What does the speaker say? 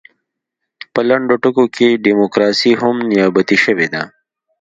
په لنډو ټکو کې ډیموکراسي هم نیابتي شوې ده.